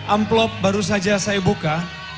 amplop baru saja saya buka